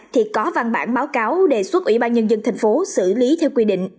thì có văn bản báo cáo đề xuất ủy ban nhân dân tp xử lý theo quy định